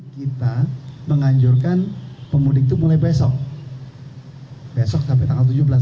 kita menganjurkan pemudik itu mulai besok besok sampai tanggal tujuh belas